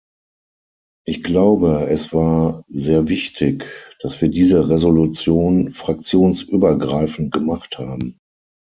Ich glaube, es war sehr wichtig, dass wir diese Resolution fraktionsübergreifend gemacht haben.